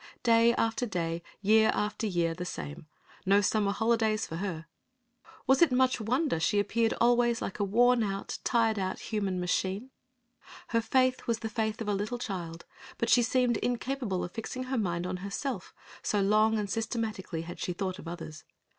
Day after day, year after year the same! No summer holidays for her! Was it much wonder she appeared always like a worn out, tired out human machine? Her faith was the faith of a little child, but she seemed incapable of fixing her mind on herself, so long and systematically had she thought of others.